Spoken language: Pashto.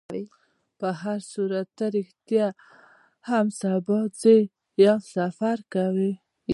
په هرصورت، ته رښتیا هم سبا ځې؟ آیا سفر کوې؟